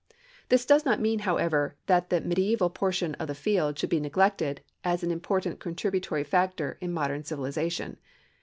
This does not mean, however, that the medieval portion of the field should be neglected as an important contributory factor in modern civilization.